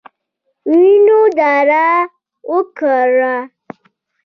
وینو داره وکړه.